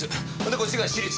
こっちが私立。